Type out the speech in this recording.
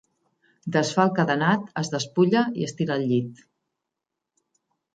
Desfà el cadenat, es despulla i es tira al llit.